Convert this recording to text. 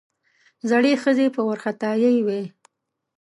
زړې ښځې په وارخطايي وې.